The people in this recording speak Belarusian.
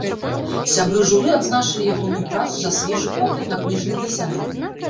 Сябры журы адзначылі ягоную працу за свежы погляд на кніжны дызайн.